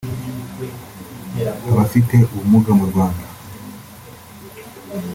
Abafite ubumuga mu Rwanda